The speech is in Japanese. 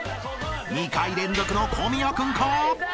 ［２回連続の小宮君か？］